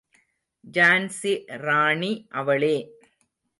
ஜான்ஸி ராணி அவளே.